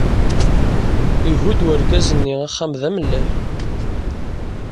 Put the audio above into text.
Ihudd urgaz-nni axxam d amellal.